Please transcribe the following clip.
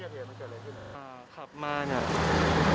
เขาอยู่ที่เกียร์เทย์มันเกิดอะไรที่ไหน